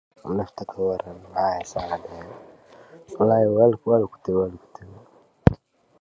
Unlike its predecessors, it was not sold separately.